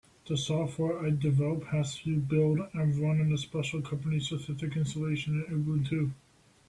The software I develop has to build and run on a special company-specific installation of Ubuntu.